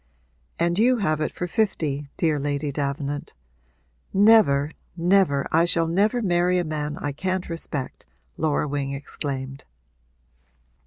'And you have it for fifty, dear Lady Davenant. Never, never I shall never marry a man I can't respect!' Laura Wing exclaimed.